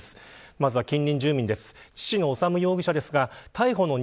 まずは近隣住民です。